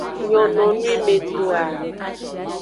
Nyononwimetoa.